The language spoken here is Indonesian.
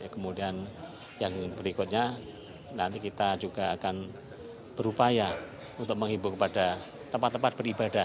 kemudian yang berikutnya nanti kita juga akan berupaya untuk menghibur kepada tempat tempat beribadah